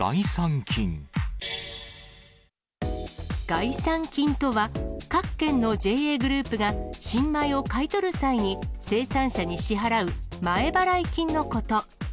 概算金とは、各県のＪＡグループが、新米を買い取る際に生産者に支払う前払い金のこと。